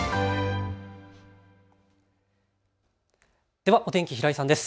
ではお天気、平井さんです。